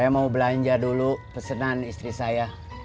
mau belanja dulu pesenan istri saya